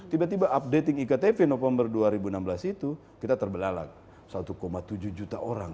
tiba tiba updating iktp november dua ribu enam belas itu kita terbelalak satu tujuh juta orang